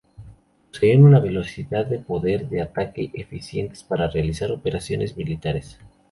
Poseen una velocidad y poder de ataque eficientes para realizar operaciones militares.